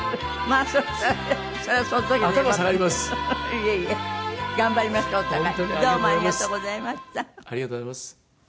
ありがとうございます。